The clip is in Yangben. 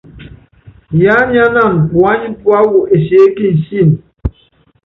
Yiányánana puányi púáwɔ enseé kinsííni.